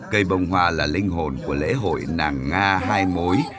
cây bồng hoa là linh hồn của lễ hội nàng nga hai mối